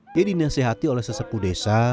dia dinasehati oleh sesepu desa